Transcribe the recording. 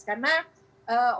karena omikron ini yang menandakan